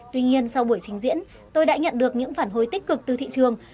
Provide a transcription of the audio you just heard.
tuy nhiên sau buổi trình diễn tôi đã nhận được những phản hồi tích cực từ thị trường